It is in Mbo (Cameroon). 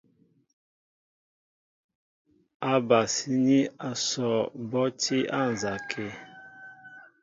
Ábasíní asoo bɔ́ á tí á nzɔkə̂.